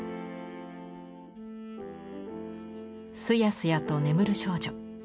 すやすやと眠る少女。